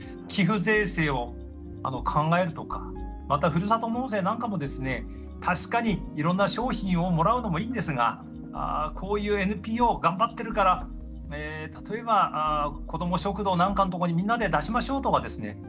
寄付税制を考えるとかまたふるさと納税なんかもですね確かにいろんな商品をもらうのもいいんですがこういうＮＰＯ頑張ってるから例えば子ども食堂なんかのところにみんなで出しましょうとかですね